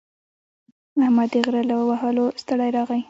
احمد د غره له وهلو ستړی راغی.